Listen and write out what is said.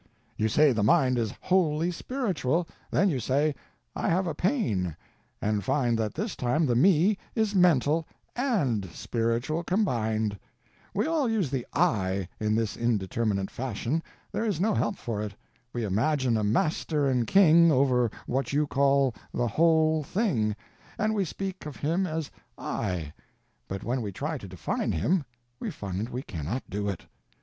You say the mind is wholly spiritual; then you say "I have a pain" and find that this time the Me is mental _and _spiritual combined. We all use the "I" in this indeterminate fashion, there is no help for it. We imagine a Master and King over what you call The Whole Thing, and we speak of him as "I," but when we try to define him we find we cannot do it.